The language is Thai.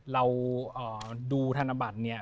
เราดูธนบัตรเนี่ย